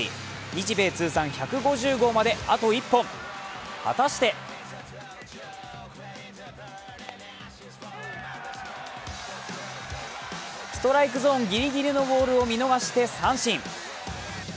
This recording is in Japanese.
日米通算１５０号まで、あと１本果たしてストライクゾーンぎりぎりのボールを見逃して、三振。